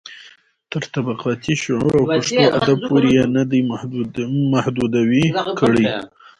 تر طبقاتي شعور او پښتو ادب پورې يې نه دي محدوې کړي.